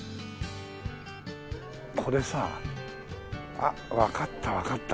これさあっわかったわかった。